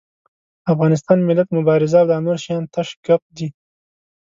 افغانستان، ملت، مبارزه او دا نور شيان تش ګپ دي.